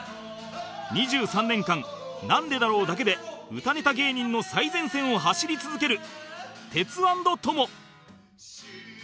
２３年間『なんでだろう』だけで歌ネタ芸人の最前線を走り続けるテツ ａｎｄ トモ